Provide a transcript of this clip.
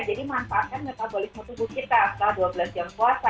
jadi manfaatkan metabolisme tubuh kita setelah dua belas jam puasa